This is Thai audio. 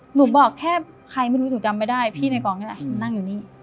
หนูบอกแค่ใครไม่รู้หนูจำไม่ได้พี่ในกองนี่แหละนั่งอยู่นี่